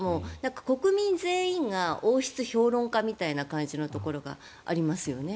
国民全員が王室評論家みたいな感じのところがありますよね。